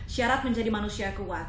syarat menjadi manusia kuat